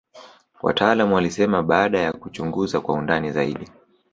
wataalamu walisema baada ya kuchunguza kwa undani zaidi